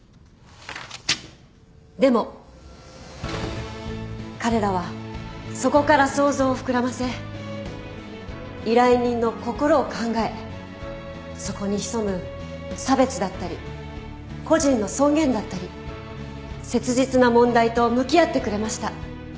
でも彼らはそこから想像を膨らませ依頼人の心を考えそこに潜む差別だったり個人の尊厳だったり切実な問題と向き合ってくれました。